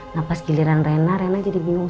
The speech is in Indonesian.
nah pas gini dia menyebutkan nama nama keluarganya